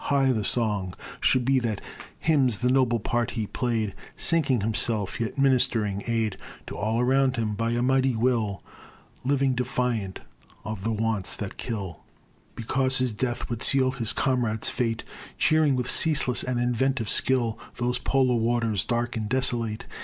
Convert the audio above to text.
High the song Should be that hymns the noble part he play'd! Sinking himself, yet ministering aid To all around him. By a mighty will Living defiant of the wants that kill, Because his death would seal his comrades' fate; Cheering with ceaseless and inventive skill Those Polar waters, dark and desolate.